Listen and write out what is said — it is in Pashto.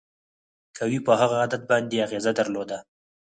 قوې په هغه عدد باندې اغیزه درلوده.